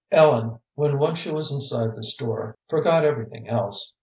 Ellen, when once she was inside the store, forgot everything else.